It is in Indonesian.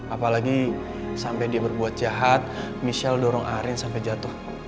apalagi sampai dia berbuat jahat michelle dorong arin sampai jatuh